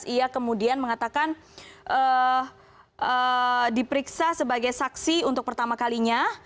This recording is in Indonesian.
ia kemudian mengatakan diperiksa sebagai saksi untuk pertama kalinya